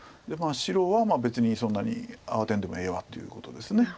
白は「別にそんなに慌てんでもええわ」っていうことです。